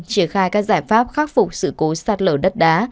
triển khai các giải pháp khắc phục sự cố sạt lở đất đá